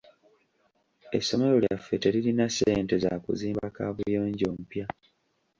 Essomero lyaffe teririna ssente za kuzimba kaabuyonjo mpya.